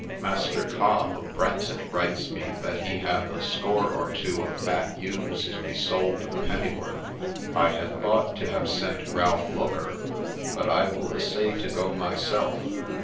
Master Cobbe of Brenzet writes me that he hath a score or two of iat ewes to be sold a pennyworth ; I had thought to have sent Ralph Looker, but I will essay to go myself.